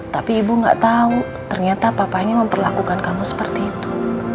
tapi ibu gak tahu ternyata papanya memperlakukan kamu seperti itu